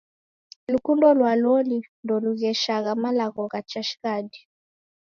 Lukundo lwa loli ndolugheshagha malagho gha cha shighadi.